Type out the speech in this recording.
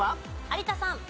有田さん。